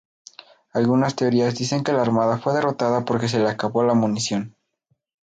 Algunas teorías dicen que la armada fue derrotada porque se le acabó la munición.